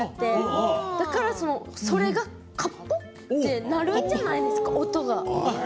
だから、それがカッポって鳴るんじゃないですか音が。